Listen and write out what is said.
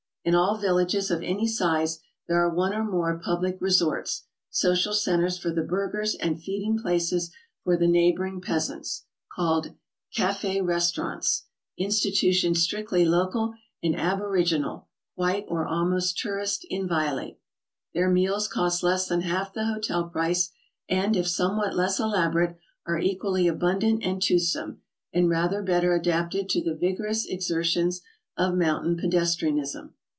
In all villages of any size there are one or more public resorts, social centres for the burghers and feeding places for the neighboring peasants, 84 GOING ABROAD? called cafe restaurants, institutions strictly local and aborigi nal, quite or almost tourist inviolate. Their meals cost less than half the hotel price, and, if somewhat less elaborate, are equally abundant and toothsome, and rather better adapted to the vigorous exertions of mountain pedestrianism.